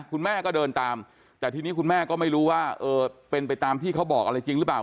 คุณแม่ก็เดินตามแต่ทีนี้คุณแม่ก็ไม่รู้ว่าเออเป็นไปตามที่เขาบอกอะไรจริงหรือเปล่า